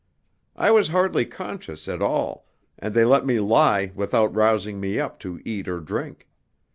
I was hardly conscious at all, and they let me lie without rousing me up to eat or drink.